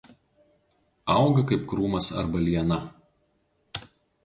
Auga kaip krūmas arba liana.